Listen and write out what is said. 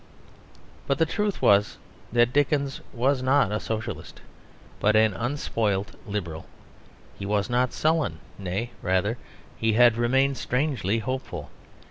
But the truth was that Dickens was not a Socialist, but an unspoilt Liberal; he was not sullen; nay, rather, he had remained strangely hopeful.